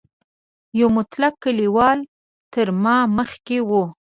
یو مطلق کلیوال تر ما مخکې و.